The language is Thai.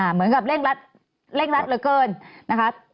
เหมือนกับเร่งรัดเหลือเกินนะคะ